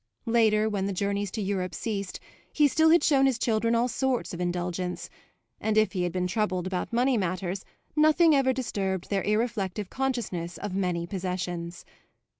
Later, when the journeys to Europe ceased, he still had shown his children all sorts of indulgence, and if he had been troubled about money matters nothing ever disturbed their irreflective consciousness of many possessions.